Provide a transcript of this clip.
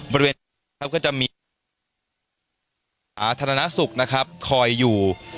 บริเวณนี้ครับก็จะมีสาธารณสุขนะครับคอยอยู่